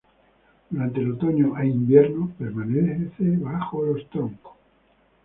Durante el otoño e invierno permanece bajo los troncos.